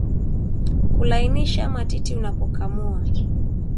kulainisha matiti unapokamua